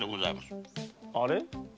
あれ？